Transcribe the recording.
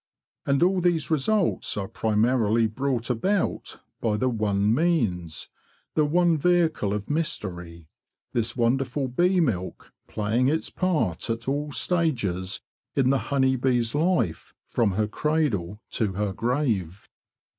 And all these results are primarily brought about by the one means, the one vehicle of mystery—this wonderful bee milk playing its part at all stages in the honey bee's life from her cradle to her grave.